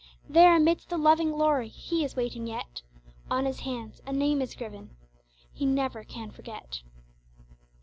There amidst the love and glory, He is waiting yet; On His hands a name is graven, He can ne'er forget.